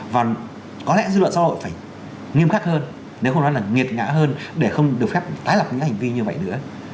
và có lẽ dư luận xã hội phải nghiêm khắc hơn nếu không nói là nghiệt ngã hơn để không được phép tái lập những hành vi như vậy nữa